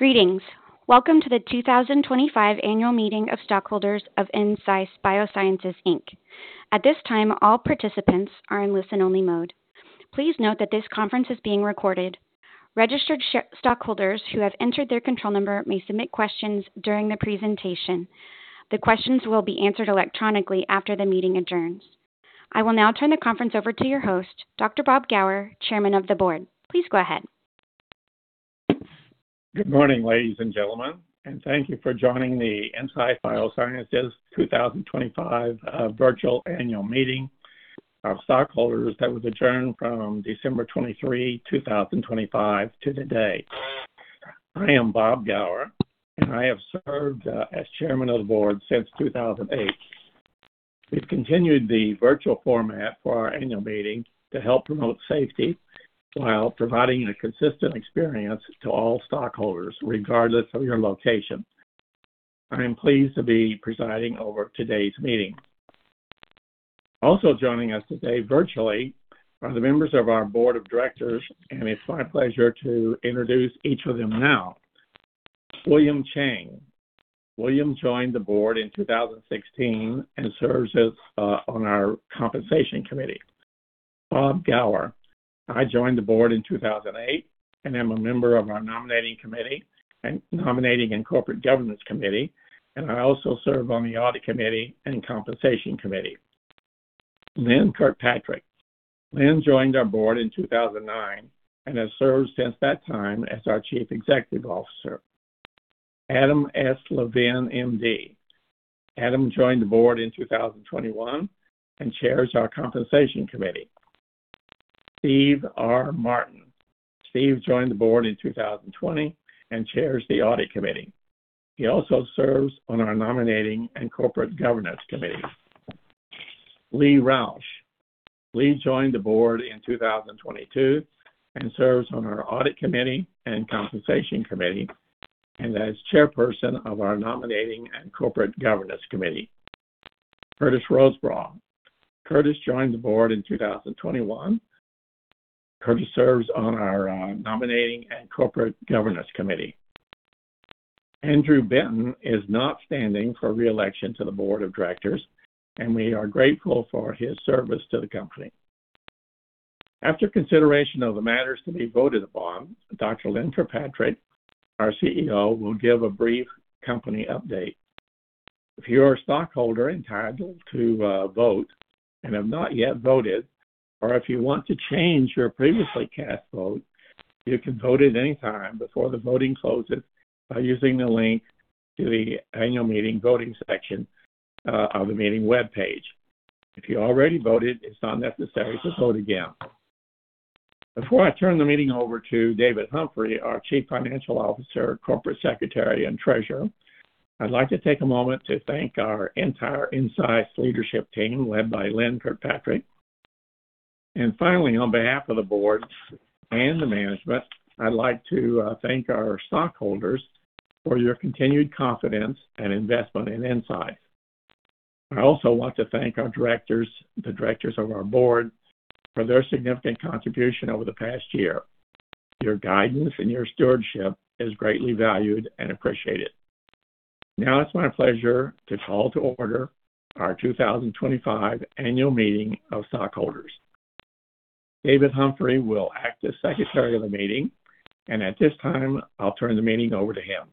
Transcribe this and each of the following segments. Greetings. Welcome to the 2025 Annual Meeting of Stockholders of Ensysce Biosciences, Inc. At this time, all participants are in listen-only mode. Please note that this conference is being recorded. Registered share stockholders who have entered their control number may submit questions during the presentation. The questions will be answered electronically after the meeting adjourns. I will now turn the conference over to your host, Dr. Bob Gower, Chairman of the Board. Please go ahead. Good morning, ladies and gentlemen, and thank you for joining the Ensysce Biosciences 2025 Virtual Annual Meeting of Stockholders that was adjourned from December 23, 2025, to today. I am Bob Gower, and I have served as Chairman of the Board since 2008. We've continued the virtual format for our annual meeting to help promote safety while providing a consistent experience to all stockholders, regardless of your location. I am pleased to be presiding over today's meeting. Also joining us today virtually are the members of our Board of Directors, and it's my pleasure to introduce each of them now. William Chang. William joined the board in 2016 and serves on our Compensation Committee. Bob Gower. I joined the board in 2008 and am a member of our Nominating Committee and Corporate Governance Committee, and I also serve on the Audit Committee and Compensation Committee. Lynn Kirkpatrick. Lynn joined our board in 2009 and has served since that time as our Chief Executive Officer. Adam S. Levin, M.D. Adam joined the board in 2021 and chairs our Compensation Committee. Steve R. Martin. Steve joined the board in 2020 and chairs the Audit Committee. He also serves on our Nominating and Corporate Governance Committee. Lee Rauch. Lee joined the board in 2022 and serves on our Audit Committee and Compensation Committee and as Chairperson of our Nominating and Corporate Governance Committee. Curtis Rosebraugh. Curtis joined the board in 2021. Curtis serves on our Nominating and Corporate Governance Committee. Andrew Benton is not standing for reelection to the Board of Directors, and we are grateful for his service to the company. After consideration of the matters to be voted upon, Dr. Lynn Kirkpatrick, our CEO, will give a brief company update. If you are a stockholder entitled to vote and have not yet voted, or if you want to change your previously cast vote, you can vote at any time before the voting closes by using the link to the Annual Meeting voting section of the meeting web page. If you already voted, it's not necessary to vote again. Before I turn the meeting over to David Humphrey, our Chief Financial Officer, Corporate Secretary, and Treasurer, I'd like to take a moment to thank our entire Ensysce leadership team led by Lynn Kirkpatrick. And finally, on behalf of the board and the management, I'd like to thank our stockholders for your continued confidence and investment in Ensysce. I also want to thank our directors, the directors of our board, for their significant contribution over the past year. Your guidance and your stewardship is greatly valued and appreciated. Now it's my pleasure to call to order our 2025 Annual Meeting of Stockholders. David Humphrey will act as Secretary of the Meeting, and at this time, I'll turn the meeting over to him.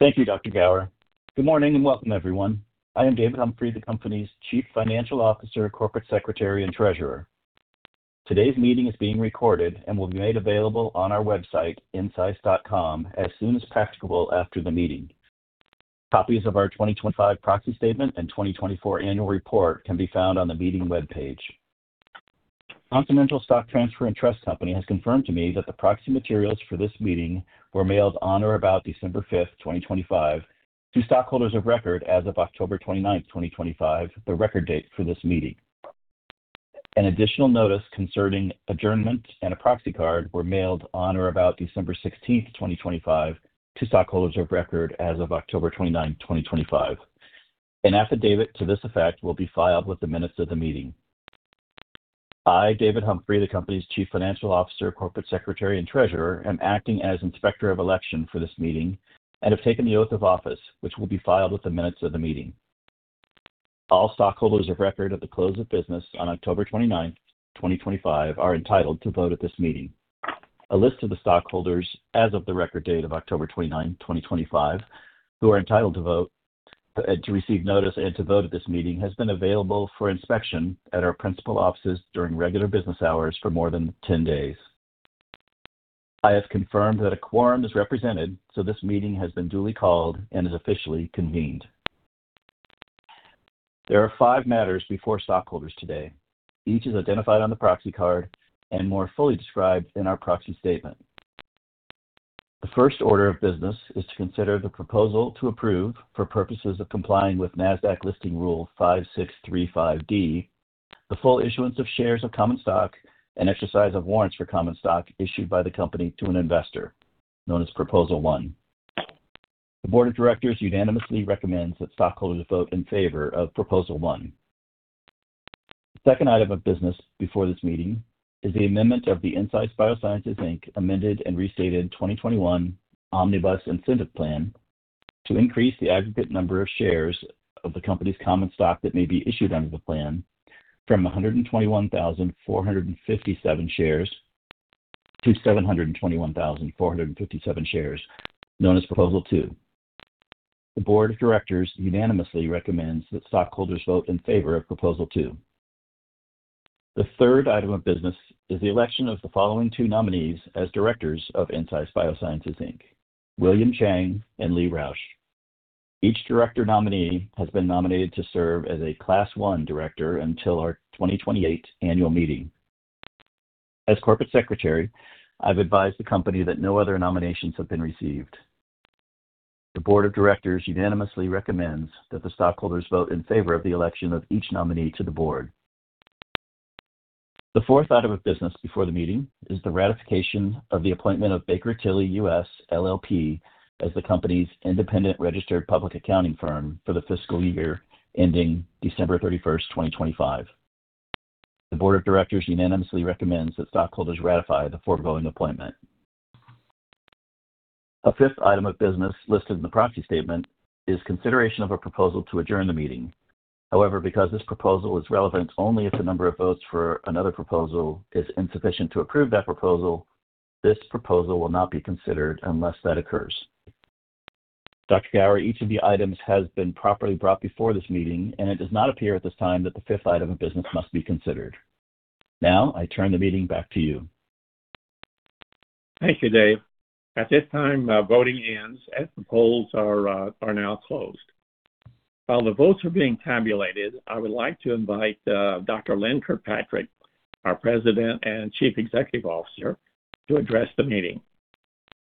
Thank you, Dr. Gower. Good morning and welcome, everyone. I am David Humphrey, the company's Chief Financial Officer, Corporate Secretary, and Treasurer. Today's meeting is being recorded and will be made available on our website, ensysce.com, as soon as practicable after the meeting. Copies of our 2025 Proxy Statement and 2024 Annual Report can be found on the meeting web page. Continental Stock Transfer and Trust Company has confirmed to me that the proxy materials for this meeting were mailed on or about December 5th, 2025, to stockholders of record as of October 29, 2025, the record date for this meeting. An additional notice concerning adjournment and a proxy card were mailed on or about December 16th, 2025, to stockholders of record as of October 29, 2025. An affidavit to this effect will be filed with the minutes of the meeting. I, David Humphrey, the company's Chief Financial Officer, Corporate Secretary, and Treasurer, am acting as Inspector of Election for this meeting and have taken the oath of office, which will be filed with the minutes of the meeting. All stockholders of record at the close of business on October 29, 2025, are entitled to vote at this meeting. A list of the stockholders as of the record date of October 29, 2025, who are entitled to vote, to receive notice, and to vote at this meeting has been available for inspection at our principal offices during regular business hours for more than 10 days. I have confirmed that a quorum is represented, so this meeting has been duly called and is officially convened. There are five matters before stockholders today. Each is identified on the proxy card and more fully described in our proxy statement. The first order of business is to consider the proposal to approve, for purposes of complying with NASDAQ Listing Rule 5635(d), the full issuance of shares of common stock and exercise of warrants for common stock issued by the company to an investor, known as Proposal 1. The Board of Directors unanimously recommends that stockholders vote in favor of Proposal 1. The second item of business before this meeting is the amendment of the Ensysce Biosciences, Inc. amended and restated 2021 Omnibus Incentive Plan to increase the aggregate number of shares of the company's common stock that may be issued under the plan from 121,457 shares to 721,457 shares, known as Proposal 2. The Board of Directors unanimously recommends that stockholders vote in favor of Proposal 2. The third item of business is the election of the following two nominees as directors of Ensysce Biosciences, Inc.: William Chang and Lee Rauch. Each director nominee has been nominated to serve as a Class I Director until our 2028 Annual Meeting. As Corporate Secretary, I've advised the company that no other nominations have been received. The Board of Directors unanimously recommends that the stockholders vote in favor of the election of each nominee to the board. The fourth item of business before the meeting is the ratification of the appointment of Baker Tilly US, LLP, as the company's independent registered public accounting firm for the fiscal year ending December 31st, 2025. The Board of Directors unanimously recommends that stockholders ratify the foregoing appointment. A fifth item of business listed in the proxy statement is consideration of a proposal to adjourn the meeting. However, because this proposal is relevant only if the number of votes for another proposal is insufficient to approve that proposal, this proposal will not be considered unless that occurs. Dr. Gower, each of the items has been properly brought before this meeting, and it does not appear at this time that the fifth item of business must be considered. Now I turn the meeting back to you. Thank you, Dave. At this time, voting ends as the polls are now closed. While the votes are being tabulated, I would like to invite Dr. Lynn Kirkpatrick, our President and Chief Executive Officer, to address the meeting.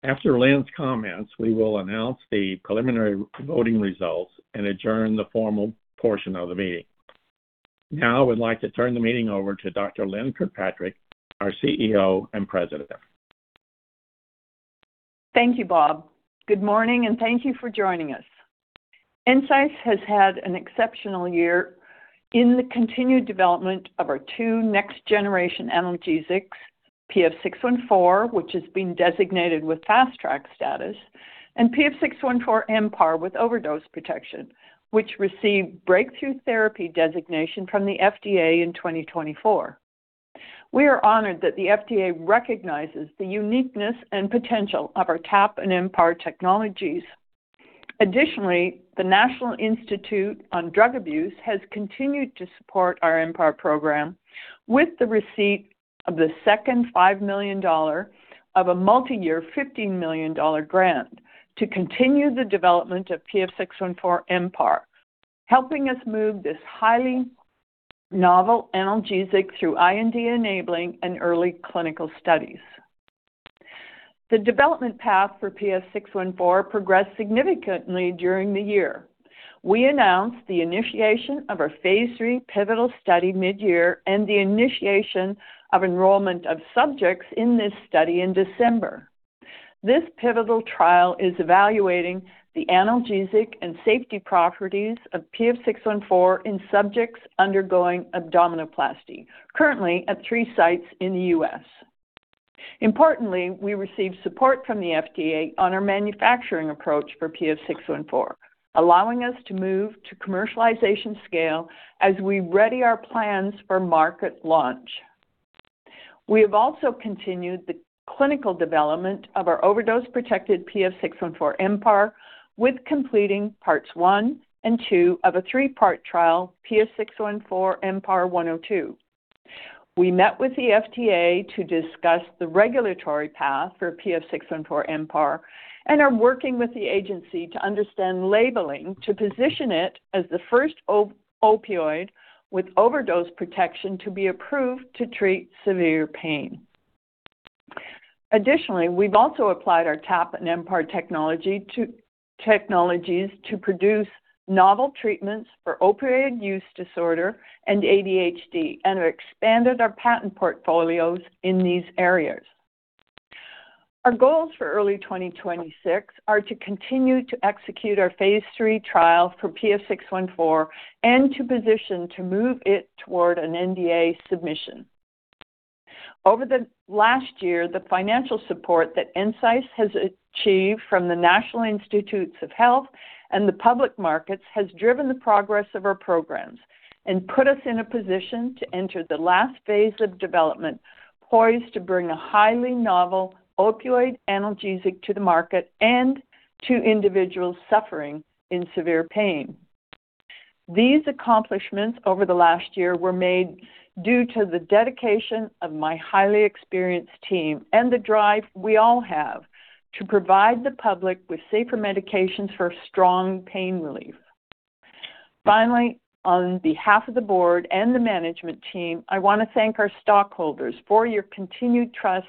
After Lynn's comments, we will announce the preliminary voting results and adjourn the formal portion of the meeting. Now I would like to turn the meeting over to Dr. Lynn Kirkpatrick, our CEO and President. Thank you, Bob. Good morning and thank you for joining us. Ensysce has had an exceptional year in the continued development of our two next-generation analgesics, PF614, which has been designated with Fast Track status, and PF614 MPAR with overdose protection, which received Breakthrough Therapy designation from the FDA in 2024. We are honored that the FDA recognizes the uniqueness and potential of our TAAP and MPAR technologies. Additionally, the National Institute on Drug Abuse has continued to support our MPAR program with the receipt of the second $5 million of a multi-year $15 million grant to continue the development of PF614 MPAR, helping us move this highly novel analgesic through IND enabling and early clinical studies. The development path for PF614 progressed significantly during the year. We announced the initiation of our Phase III Pivotal Study mid-year and the initiation of enrollment of subjects in this study in December. This pivotal trial is evaluating the analgesic and safety properties of PF614 in subjects undergoing abdominoplasty, currently at three sites in the U.S. Importantly, we received support from the FDA on our manufacturing approach for PF614, allowing us to move to commercialization scale as we ready our plans for market launch. We have also continued the clinical development of our overdose-protected PF614 MPAR with completing parts one and two of a three-part trial, PF614 MPAR 102. We met with the FDA to discuss the regulatory path for PF614 MPAR and are working with the agency to understand labeling to position it as the first opioid with overdose protection to be approved to treat severe pain. Additionally, we've also applied our TAAP and MPAR technologies to produce novel treatments for opioid use disorder and ADHD and have expanded our patent portfolios in these areas. Our goals for early 2026 are to continue to execute our phase III trial for PF614 and to position to move it toward an NDA submission. Over the last year, the financial support that Ensysce has achieved from the National Institutes of Health and the public markets has driven the progress of our programs and put us in a position to enter the last phase of development poised to bring a highly novel opioid analgesic to the market and to individuals suffering in severe pain. These accomplishments over the last year were made due to the dedication of my highly experienced team and the drive we all have to provide the public with safer medications for strong pain relief. Finally, on behalf of the board and the management team, I want to thank our stockholders for your continued trust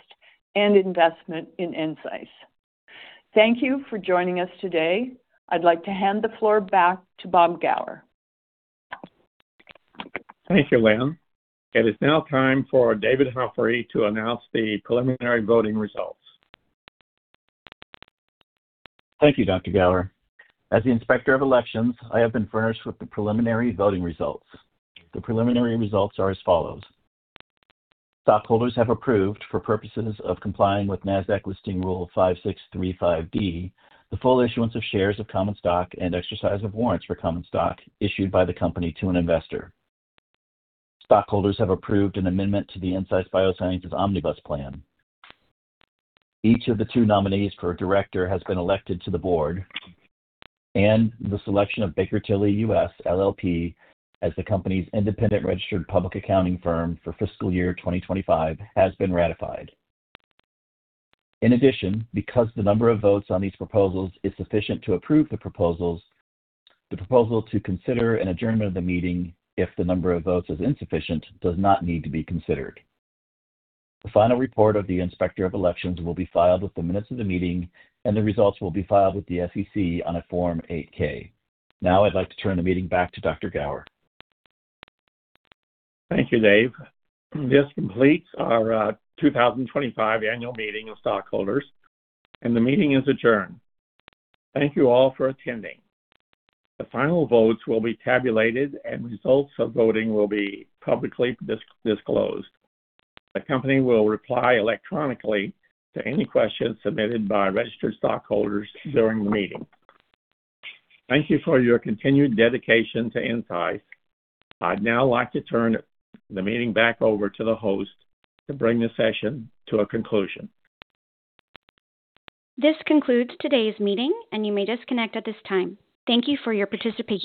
and investment in Ensysce. Thank you for joining us today. I'd like to hand the floor back to Bob Gower. Thank you, Lynn. It is now time for David Humphrey to announce the preliminary voting results. Thank you, Dr. Gower. As the Inspector of Elections, I have been furnished with the preliminary voting results. The preliminary results are as follows. Stockholders have approved, for purposes of complying with NASDAQ Listing Rule 5635(d), the full issuance of shares of common stock and exercise of warrants for common stock issued by the company to an investor. Stockholders have approved an amendment to the Ensysce Biosciences Omnibus Plan. Each of the two nominees for director has been elected to the board, and the selection of Baker Tilly U.S., LLP, as the company's independent registered public accounting firm for fiscal year 2025 has been ratified. In addition, because the number of votes on these proposals is sufficient to approve the proposals, the proposal to consider an adjournment of the meeting, if the number of votes is insufficient, does not need to be considered. The final report of the Inspector of Elections will be filed with the minutes of the meeting, and the results will be filed with the SEC on a Form 8-K. Now I'd like to turn the meeting back to Dr. Gower. Thank you, Dave. This completes our 2025 Annual Meeting of Stockholders, and the meeting is adjourned. Thank you all for attending. The final votes will be tabulated, and results of voting will be publicly disclosed. The company will reply electronically to any questions submitted by registered stockholders during the meeting. Thank you for your continued dedication to Ensysce. I'd now like to turn the meeting back over to the host to bring the session to a conclusion. This concludes today's meeting, and you may disconnect at this time. Thank you for your participation.